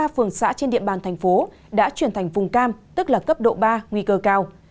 ba phường xã trên địa bàn thành phố đã chuyển thành vùng cam tức là cấp độ ba nguy cơ cao